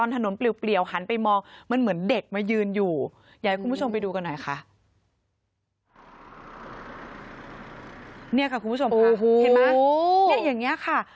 นี่ค่ะคุณผู้ชมค่ะเห็นไหมเนี่ยอย่างนี้ค่ะ